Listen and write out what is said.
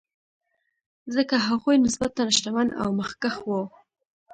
ځکه هغوی نسبتا شتمن او مخکښ وو.